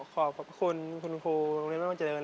ขอบคุณคุณครูโรงเรียนบ้านเจริญ